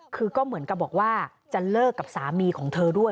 คือก็เหมือนกับบอกว่าจะเลิกกับสามีของเธอด้วย